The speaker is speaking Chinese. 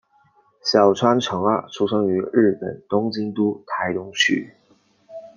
小川诚二出生于日本东京都台东区。